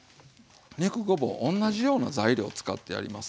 肉ごぼう同じような材料使ってやります。